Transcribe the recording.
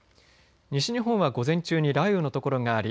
西日本は午前中に雷雨のところがあり